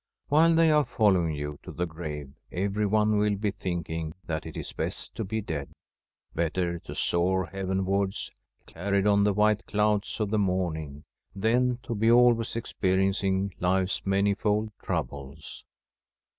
While they are following you to the grave everyone wiU be thinking that it is best to be dead — better to soar heavenwards, carried on the white clouds of the morning — ^than to be always experiencing life's manifold troubles.